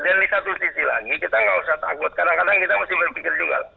dan di satu sisi lagi kita nggak usah takut kadang kadang kita masih berpikir juga